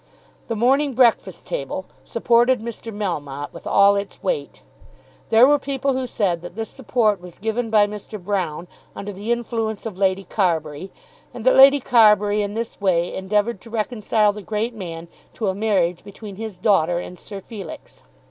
The "Morning Breakfast Table" supported Mr. Melmotte with all its weight. There were people who said that this support was given by Mr. Broune under the influence of Lady Carbury, and that Lady Carbury in this way endeavoured to reconcile the great man to a marriage between his daughter and Sir Felix.